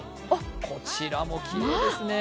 こちらもきれいですね。